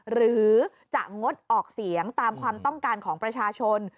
หรือจะงดออกเสียงตามความต้องการของประชาชน